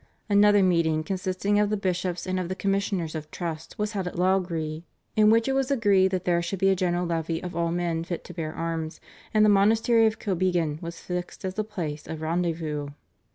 Another meeting consisting of the bishops and of the Commissioners of Trust was held at Loughrea, in which it was agreed that there should be a general levy of all men fit to bear arms, and the monastery of Kilbegan was fixed as the place of rendezvous.